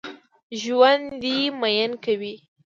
ژوندي مېنه کوي